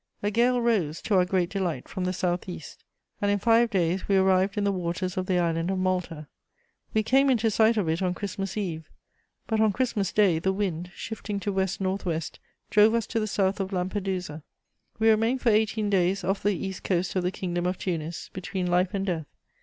"A gale rose, to our great delight, from the south east, and in five days we arrived in the waters of the island of Malta. We came into sight of it on Christmas Eve; but, on Christmas Day, the wind, shifting to west north west, drove us to the south of Lampedusa. We remained for eighteen days off the east coast of the Kingdom of Tunis, between life and death.